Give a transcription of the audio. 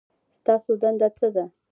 ستاسو دنده څه ده؟